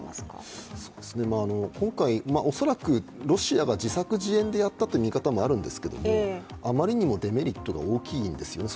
今回、恐らくロシアが自作自演でやったという見方もあるんですけれども、あまりにもデメリットが大きいんですね。